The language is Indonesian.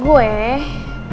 gak ada orang